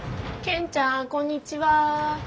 健ちゃんこんにちは。